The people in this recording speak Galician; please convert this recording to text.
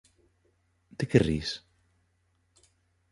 De que ris?